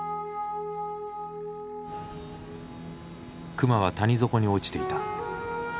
熊は谷底に落ちていた。